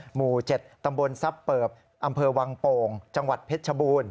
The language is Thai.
หมู่๗ตำบลทรัพย์เปิบอำเภอวังโป่งจังหวัดเพชรชบูรณ